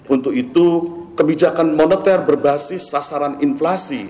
untuk itu kebijakan moneter berbasis sasaran inflasi